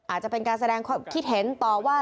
อาจจะเป็นการแสดงความคิดเห็นต่อว่า